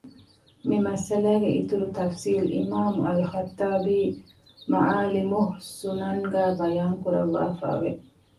މިމައްސަލައިގެ އިތުރު ތަފްޞީލު އިމާމު އަލްޚައްޠާބީ މަޢާލިމުއް ސުނަންގައި ބަޔާންކުރަށްވާފައި ވެ